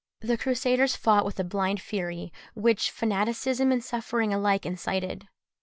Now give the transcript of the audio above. The Crusaders fought with a blind fury, which fanaticism and suffering alike incited.